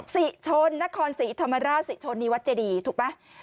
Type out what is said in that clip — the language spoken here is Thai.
สิชนนครสิธรรมราชสิชนนีวัชเจดีย์ถูกไหม